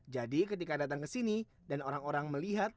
jadi ketika datang ke sini dan orang orang melihat